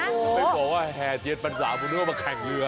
ไม่บอกว่าแห่เจียนพันษามึงเราก็มาแข่งเรือ